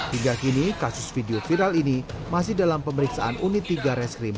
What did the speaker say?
hingga kini kasus video viral ini masih dalam pemeriksaan unit tiga reskrim